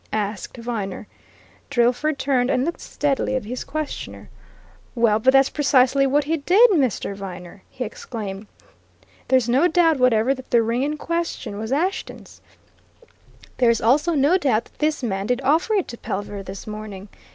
asked Viner. Drillford turned and looked steadily at his questioner. "Well, but that's precisely what he did, Mr. Viner!" he exclaimed. "There's no doubt whatever that the ring in question was Ashton's; there's also no doubt that this man did offer it to Pelver this morning.